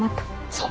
そう。